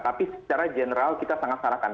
tapi secara general kita sangat sarahkan